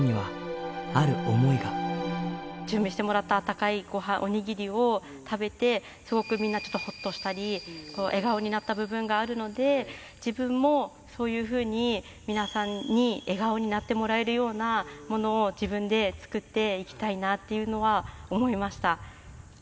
準備してもらったあったかいおにぎりを食べて、すごくみんなちょっとほっとしたり、笑顔になった部分があるので、自分もそういうふうに皆さんに笑顔になってもらえるようなものを自分で作っていきたいなというのは思いました。